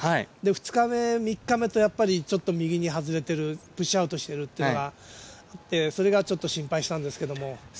２日目、３日目とやっぱりちょっと右に外れて、プッシュアウトしているっていうのがあって、それが心配したんですけど。